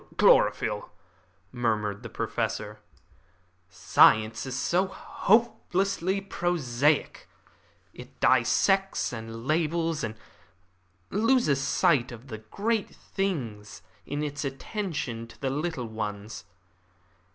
"Chlorophyll," murmured the Professor. "Science is so hopelessly prosaic. It dissects and labels, and loses sight of the great things in its attention to the little ones.